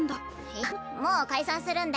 いやもう解散するんで！